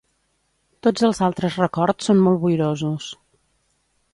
Tots els altres records són molt boirosos.